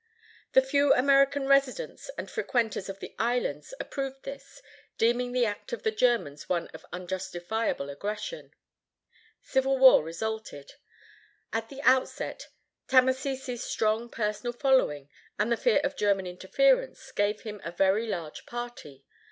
The few American residents and frequenters of the islands approved this, deeming the act of the Germans one of unjustifiable aggression. Civil war resulted. At the outset, Tamasese's strong personal following, and the fear of German interference, gave him a very large party.